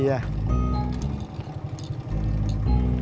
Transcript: iya pukul pindah lagi